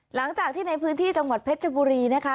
หลังจากที่ในพื้นที่จังหวัดเพชรบุรีนะคะ